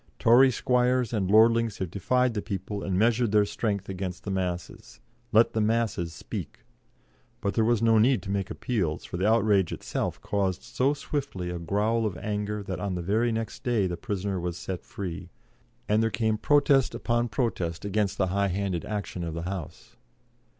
Tory squires and lordlings have defied the people and measured their strength against the masses. Let the masses speak." But there was no need to make appeals, for the outrage itself caused so swiftly a growl of anger that on the very next day the prisoner was set free, and there came protest upon protest against the high handed action of the House.